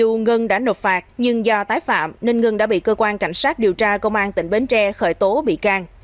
mặc dù ngân đã nộp phạt nhưng do tái phạm nên ngân đã bị cơ quan cảnh sát điều tra công an tỉnh bến tre khởi tố bị can